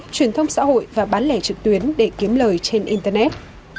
truyền thông xã hội và bán lẻ trực tuyến để kiếm lời trên internet